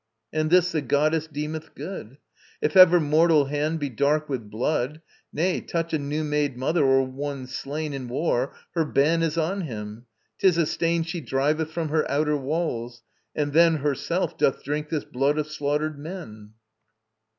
And this the goddess deemeth good! If ever mortal hand be dark with blood; Nay, touch a new made mother or one slain In war, her ban is on him. 'Tis a stain She driveth from her outer walls; and then Herself doth drink this blood of slaughtered men?